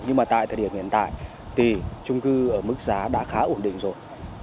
nhưng tại thời điểm hiện tại trung cư ở mức giá đã khá ổn định rồi